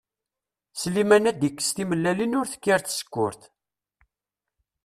Sliman ad d-ikkes timellalin ur tekkir tsekkurt.